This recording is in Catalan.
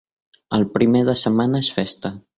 El primer de setmana és festa.